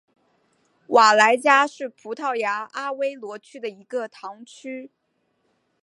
瓦莱加是葡萄牙阿威罗区的一个堂区。